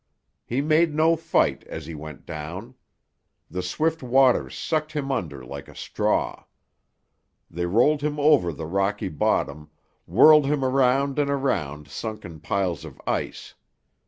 He made no fight as he went down. The swift waters sucked him under like a straw. They rolled him over the rocky bottom, whirled him around and around sunken piles of ice.